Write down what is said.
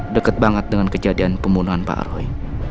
dekat banget dengan kejadian pembunuhan pak roy